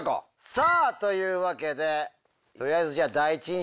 さあというわけで取りあえず。